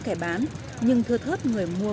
kẻ bán nhưng thưa thớt người mua